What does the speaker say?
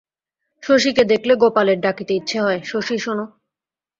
শশীকে দেখলে গোপালের ডাকিতে ইচ্ছ হয়, শশী শোন।